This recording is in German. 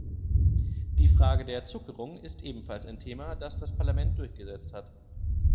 Die Frage der Zuckerung ist ebenfalls ein Thema, das das Parlament durchgesetzt hat.